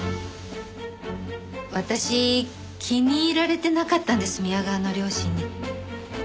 私気に入られてなかったんです宮川の両親に。